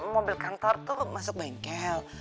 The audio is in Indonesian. mobil kantor tuh masuk bengkel